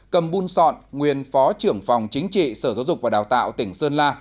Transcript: cầm bun sọn nguyên phó trưởng phòng chính trị sở giáo dục và đào tạo tỉnh sơn la